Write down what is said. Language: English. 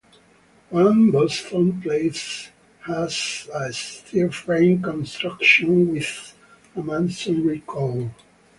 One Boston Place has a steel frame construction with a masonry core.